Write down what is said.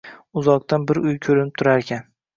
uzoqdan bir uy koʻrinib turarkan